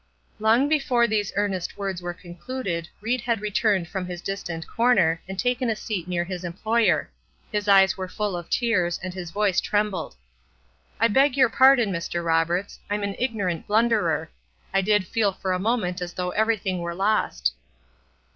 Long before these earnest sentences were concluded Ried had returned from his distant corner, and taken a seat near his employer; his eyes were full of tears, and his voice trembled: "I beg your pardon, Mr. Roberts; I'm an ignorant blunderer; I did feel for the moment as though everything were lost."